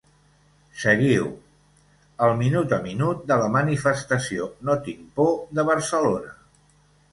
Seguiu: El minut a minut de la manifestació ‘No tinc por’ de Barcelona’